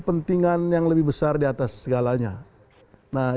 masih semangat ibu karyawan dari masyarakat